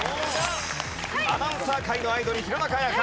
アナウンサー界のアイドル弘中綾香。